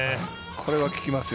これは利きますよ